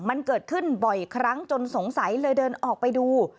มันเกิดขึ้นบ่อยครั้งจนสงสัยเลยเดินออกไปดู